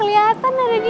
aku akan membela elu mereka